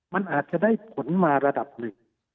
มันอาจจะได้ผลมาระดับหนึ่ง